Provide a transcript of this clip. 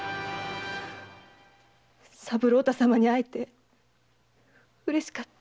三郎太様に会えて嬉しかった。